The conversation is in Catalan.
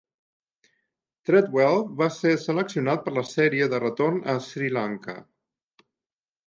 Tredwell va ser seleccionat per a la sèrie de retorn a Sri Lanka.